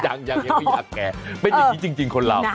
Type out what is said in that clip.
ยังไม่อยากแก่เป็นอย่างนี้จริงคนเรา